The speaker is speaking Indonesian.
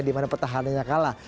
dimana petahananya kalah